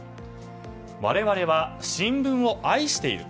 我々は新聞を愛している。